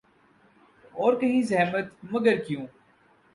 اور کہیں زحمت ، مگر کیوں ۔